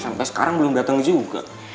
sampai sekarang belum datang juga